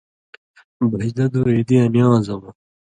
بھَژدہ دُو عیدیاں نِوان٘زٶں مہ